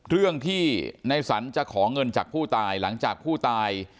เรื่องที่ในสรรจะขอเงินจากผู้ตายหลังจากผู้ตาย